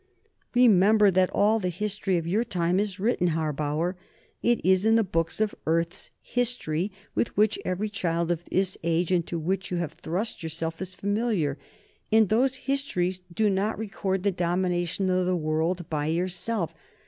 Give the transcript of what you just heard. "Remember that all the history of your time is written, Harbauer. It is in the books of Earth's history, with which every child of this age, into which you have thrust yourself, is familiar. And those histories do not record the domination of the world by yourself.